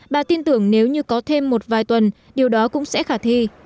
bà tin tưởng nếu như có thêm một vài tuần điều đó cũng sẽ khả thi